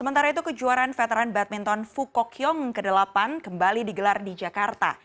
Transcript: sementara itu kejuaraan veteran badminton fukokyong ke delapan kembali digelar di jakarta